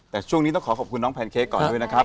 แต่ช่วงนี้ต้องขอขอบคุณน้องแพนเค้กก่อนด้วยนะครับ